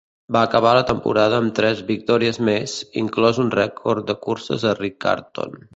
Va acabar la temporada amb tres victòries més, inclòs un rècord de curses a Riccarton.